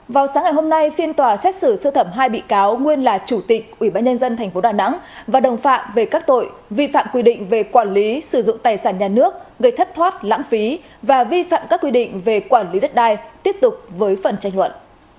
vào sáng ngày hôm nay phiên tòa xét xử sưu thẩm hai bị cáo nguyên là chủ tịch ủy ban nhân dân thành phố đà nẵng và đồng phạm về các tội vi phạm quy định về quản lý sử dụng tài sản nhà nước gây thất thoát lãng phí và vi phạm các quy định về quản lý đất đai tiếp tục với phần tranh luận